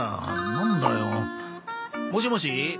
なんだよ。もしもし？